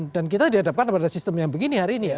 dan kita dihadapkan pada sistem yang begini hari ini ya